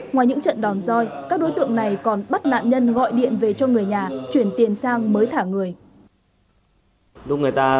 ngoài những trận đòn roi các đối tượng này còn bắt nạn nhân gọi điện về cho người nhà chuyển tiền sang mới thả người